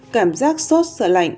cảm giác sốt sợ lạnh